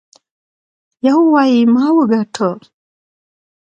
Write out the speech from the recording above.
يو وايي ما وګاټه.